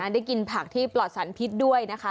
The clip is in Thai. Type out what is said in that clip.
ได้กินผักที่ปลอดสารพิษด้วยนะคะ